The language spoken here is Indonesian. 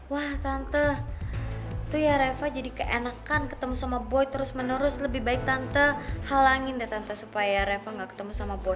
wah tante tuh ya reva jadi keenakan ketemu sama boy terus menerus lebih baik tante halangin dan tante supaya reva gak ketemu sama boy